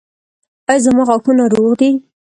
ایا زما غاښونه روغ دي؟